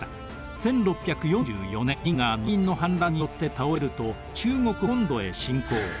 １６４４年明が農民の反乱によって倒れると中国本土へ進攻。